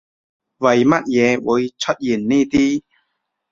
為乜嘢會出現呢啲